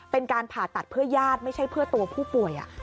เป็นการผ่าตัดเพื่อญาติไม่ใช่เพื่อตัวผู้ป่วย